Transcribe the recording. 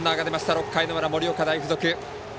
６回の裏、盛岡大付属。